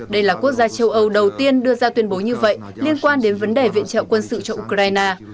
đây là quốc gia châu âu đầu tiên đưa ra tuyên bố như vậy liên quan đến vấn đề viện trợ quân sự cho ukraine